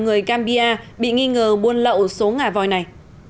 người gambia bị nghi ngờ buôn lậu số ngà voi này